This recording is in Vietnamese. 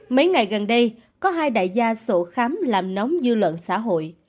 mấy ngày gần đây có hai đại gia sổ khám làm nóng dư luận xã hội